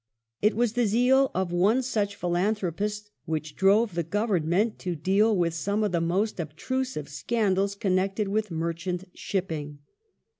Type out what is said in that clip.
It was the zeal of one such philanthropist which drove the Merchant Government to deal with some of the more obtrusive scandals ^^'PP^"fi^ connected with Merchant Shipping.